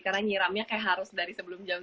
karena nyiramnya kayak harus dari sebelum jam sembilan